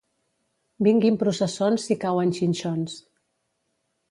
Vinguin processons si cauen xinxons.